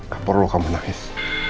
gak perlu kamu naik